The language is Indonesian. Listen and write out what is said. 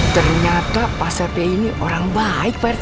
ternyata pak shafi'i ini orang baik pak rt